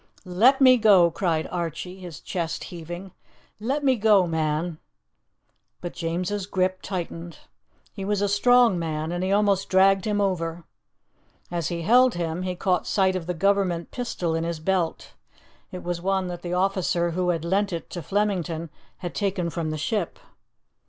"Let me go!" cried Archie, his chest heaving; "let me go, man!" But James's grip tightened; he was a strong man, and he almost dragged him over. As he held him, he caught sight of the Government pistol in his belt. It was one that the officer who had lent it to Flemington had taken from the ship.